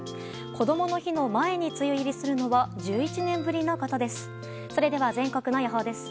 こどもの日の前に梅雨入りするのは１１年ぶりのことです。